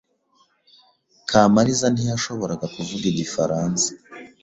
Kamariza ntiyashoboraga kuvuga igifaransa.